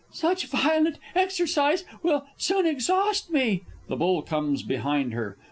_) Such violent exercise will soon exhaust me! [_The Bull comes behind her.